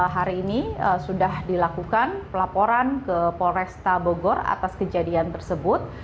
hari ini sudah dilakukan pelaporan ke polresta bogor atas kejadian tersebut